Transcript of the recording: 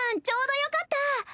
ちょうどよかった。